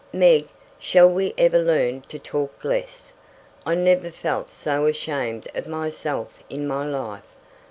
Meg, shall we ever learn to talk less? I never felt so ashamed of myself in my life.